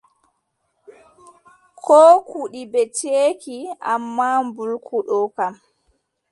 Koo kuɗi ɓe ceeki ammaa mbulku ɗoo kam,